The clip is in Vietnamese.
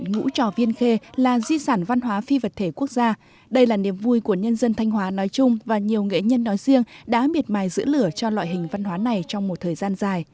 ngũ trò viên khê là di sản văn hóa phi vật thể quốc gia đây là niềm vui của nhân dân thanh hóa nói chung và nhiều nghệ nhân nói riêng đã miệt mài giữ lửa cho loại hình văn hóa này trong một thời gian dài